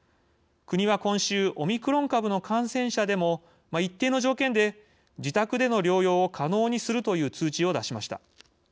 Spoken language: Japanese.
国は今週オミクロン株の感染者でも一定の条件で自宅での療養を可能にするという通知を出しました。